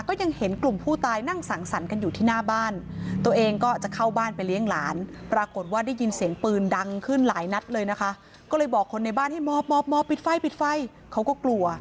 ก็ยินเสียงปืนดังขึ้นหลายนัดเลยนะคะก็เลยบอกคนในบ้านให้มอบปิดไฟเขาก็กลัว